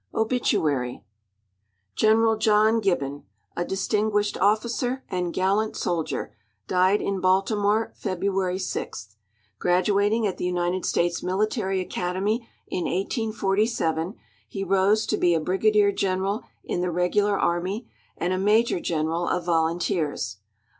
OiuTu.vitY. — General John Gibl)on, a distinguished officer and gallant soldier, died in Baltimore February 6. Graduating at the United States 3Iilitary Academy in 1847, he rose to he a brigadier general in the regular Army and a major general of Volunteers.